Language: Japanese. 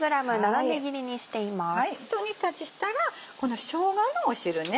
一煮立ちしたらこのしょうがの汁ね。